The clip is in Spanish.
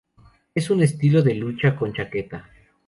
Es un estilo de lucha con chaqueta.